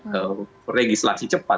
kalau legislasi cepat